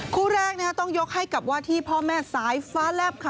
คู่แรกต้องยกให้กับว่าที่พ่อแม่สายฟ้าแลบค่ะ